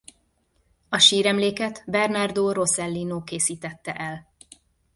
A síremléket Bernardo Rossellino készítette el.